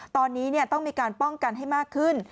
ตอนนี้ต้องมีการป้องกันให้มากขึ้น